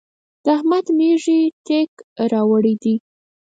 د احمد مېږي تېک راوړی دی.